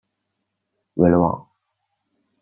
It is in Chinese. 韦勒旺。